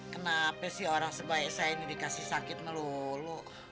kenapa sih orang sebaik saya ini dikasih sakit melulu